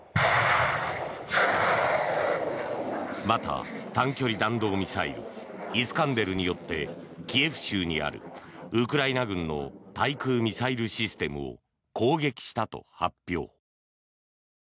また、短距離弾道ミサイルイスカンデルによってキエフ州にあるウクライナ軍の対空ミサイルシステムを攻撃したと発表。